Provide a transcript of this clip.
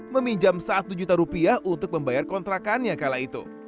meminjam satu juta rupiah untuk membayar kontrakannya kala itu